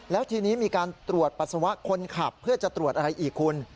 แล้วทีนี้มีการตรวจปัสสาวะคนขับเพื่อจะตรวจอะไรอีกคุณ